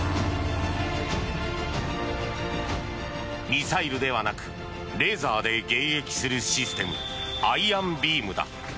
ミサイルではなくレーザーで迎撃するシステムアイアンビームだ。